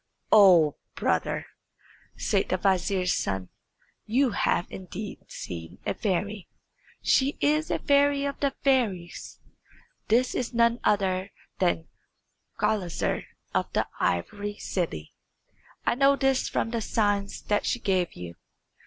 "Oh, brother," said the vizier's son, "you have indeed seen a fairy. She is a fairy of the fairies. This is none other than Gulizar of the Ivory City. I know this from the signs that she gave you.